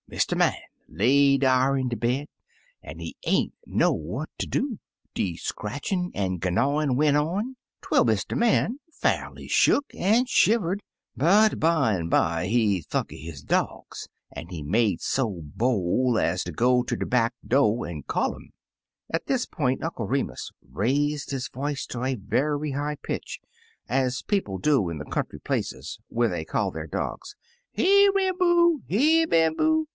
Mr. Man laid dar in bed, an' he ain't know what ter do. De scratchin' an' gnyawin' went on, twel Mr. Man fa'rly shuck an' shivered; but bimeby he thimk er his dogs, an' he made so bol' ez ter go ter de back do' an' call um." At this point, Uncle Remus raised his voice to a very high pitch, as people do in the country places when they call their dogs. "'Here, Ram boo! here. Bamboo!